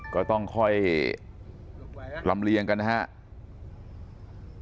ก็ต้องค่อยลำเลียงกันนะครับ